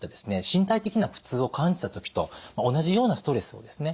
身体的な苦痛を感じた時と同じようなストレスをですね